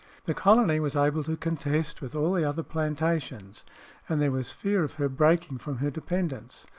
The colony was able to contest with all the other plantations, and there was fear of her breaking from her dependence.